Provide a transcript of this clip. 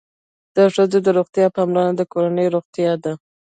د ښځو د روغتیا پاملرنه د کورنۍ روغتیا ده.